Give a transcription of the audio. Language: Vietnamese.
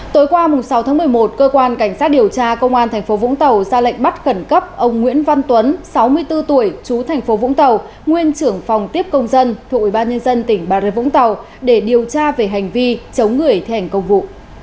tối qua sáu tháng một mươi một cơ quan cảnh sát điều tra công an tp vũng tàu ra lệnh bắt khẩn cấp ông nguyễn văn tuấn sáu mươi bốn tuổi chú tp vũng tàu nguyên trưởng phòng tiếp công dân thuộc ủy ban nhân dân tỉnh bà rê vũng tàu để điều tra về hành vi chống người thể hành công vụ